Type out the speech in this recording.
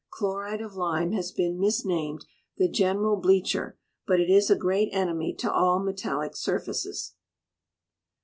Chloride of lime has been misnamed "The general bleacher," but it is a great enemy to all metallic surfaces.